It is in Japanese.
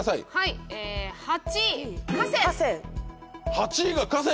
８位が河川！